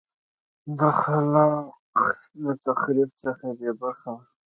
د خلاق تخریب څخه بې برخې وه